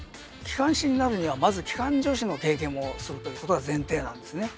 機関士になるにはまず機関助士の経験をするということが前提なんですね。